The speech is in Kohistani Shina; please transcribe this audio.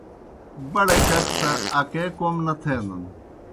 بَڑہ جَک سہ اکے کوْم نہ تھینَن۔